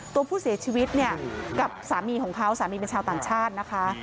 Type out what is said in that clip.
ตัวผู้เสียชีวิตเนี่ยกับสามีของเขาสามีเป็นชาวต่างชาตินะคะ